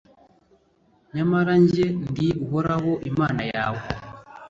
Nyamara jye, ndi Uhoraho Imana yawe,